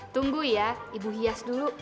tunggu ya ibu hias dulu